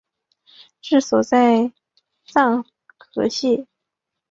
治所在牂牁县。